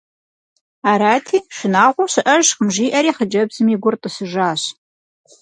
Арати, шынагъуэ щыӏэжкъым жиӏэри, хъыджэбзми и гур тӏысыжащ.